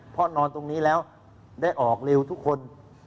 เพราะนอนตรงนี้แล้วได้ออกเร็วทุกคน